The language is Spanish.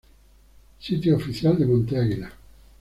Sitio oficial de Monte Águila